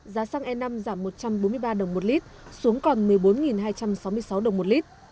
giá xăng e năm giảm một trăm bốn mươi ba đồng một lít xuống còn một mươi bốn hai trăm sáu mươi sáu đồng một lít